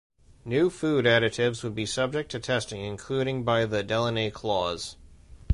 New food additives would be subject to testing including by the "Delaney clause".